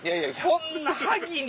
こんな萩に。